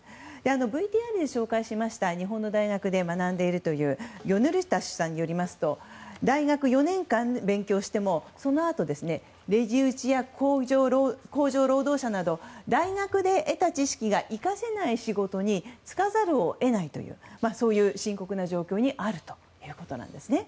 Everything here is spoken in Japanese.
ＶＴＲで紹介しました日本の大学で学んでいるというギョヌルタシュさんによりますと大学４年間勉強してもそのあと、レジ打ちや工場労働者など大学で得た知識が生かせない仕事に就かざるを得ないという深刻な状況にあるということです。